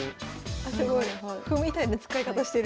あすごい歩みたいな使い方してる。